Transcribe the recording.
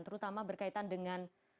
terutama berkaitan dengan